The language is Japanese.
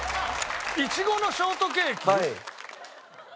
イチゴのショートケーキ？